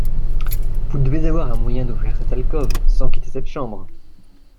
Vous devez avoir un moyen d’ouvrir cette alcôve, sans quitter cette chambre.